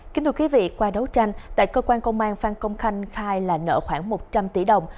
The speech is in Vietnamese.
kính thưa quý vị qua đấu tranh tại cơ quan công an phan công khanh khai là nợ khoảng một trăm linh tỷ đồng